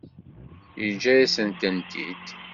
Yeǧǧa-yasen-tent-id.